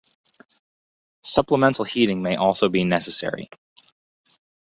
Supplemental heating may also be necessary.